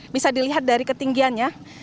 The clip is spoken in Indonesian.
bisa dilihat dari ketinggiannya